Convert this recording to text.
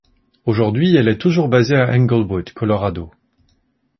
Aujourd’hui elle est toujours basée à Englewood, Colorado.